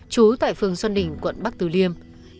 chú tại phường xuân đình quận bắc từ liêm